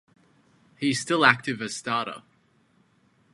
He is still active as starter.